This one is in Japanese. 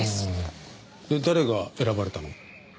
で誰が選ばれたの？